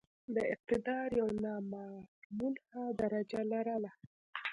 د اقتدار یو نامعموله درجه لرله.